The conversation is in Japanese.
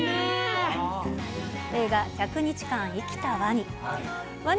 映画、１００日間生きたワニ。